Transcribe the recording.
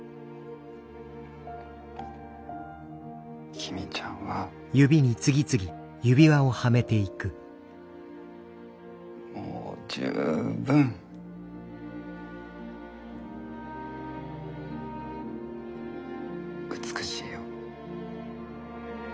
公ちゃんはもう十分美しいよ。